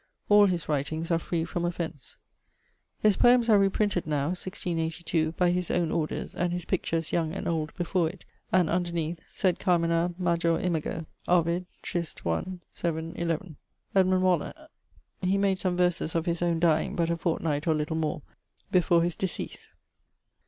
All his writings are free from offence. His poems are reprinted now (1682) by his owne orders and his pictures (young and old) before it, and underneath Sed Carmina major imago. OVID. [Edmund Waller: ] he made some verses of his owne dyeing, but a fortnight, or little more, before his decease.